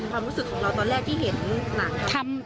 ความรู้สึกของเราตอนแรกที่เห็น